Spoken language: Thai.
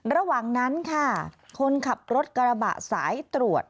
ระหว่างนั้นค่ะคนขับรถกระบะสายตรวจ